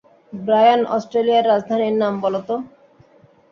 Brian, অস্ট্রেলিয়ার রাজধানীর নাম বলো তো?